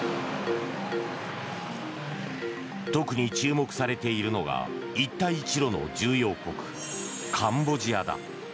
特に注目されているのが一帯一路の重要国カンボジアだ。